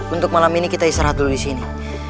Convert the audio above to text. untuk malam ini kita istirahat dulu di sini